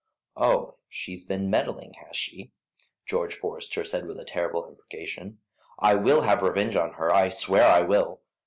"Oh, she has been meddling, has she?" George Forester said with a terrible imprecation; "I will have revenge on her, I swear I will.